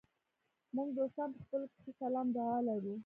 موږ دوستان په خپلو کې ښه سلام دعا لرو.